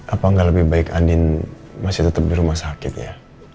apa nggak lebih baik andin masih tetap di rumah sakit ya